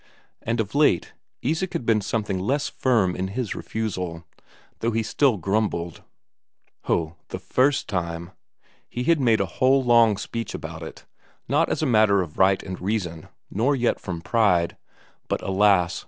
And of late, Isak had been something less firm in his refusal, though he grumbled still. Ho, the first time! He had made a whole long speech about it; not as a matter of right and reason, nor yet from pride, but, alas!